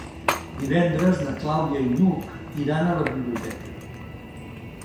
Divendres na Clàudia i n'Hug iran a la biblioteca.